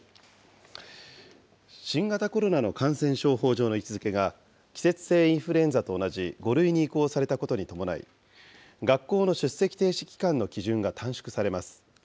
新型コロナの感染症法上の位置づけが、季節性インフルエンザと同じ５類に移行されたことに伴い、学校の出席停止期間の基準が短縮されます。